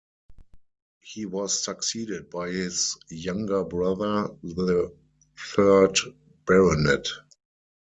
He was succeeded by his younger brother, the third Baronet.